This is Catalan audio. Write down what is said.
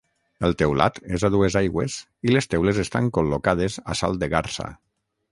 El teulat és a dues aigües i les teules estan col·locades a salt de garsa.